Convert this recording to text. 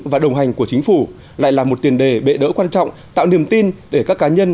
và đồng hành của chính phủ lại là một tiền đề bệ đỡ quan trọng tạo niềm tin để các cá nhân